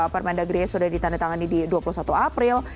permendagri sudah ditandatangani di dua puluh satu april